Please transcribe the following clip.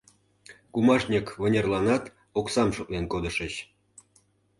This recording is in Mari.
Кумажньык вынерланат оксам шотлен кодышыч.